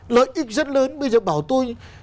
lợi ích rất lớn bây giờ bảo tôi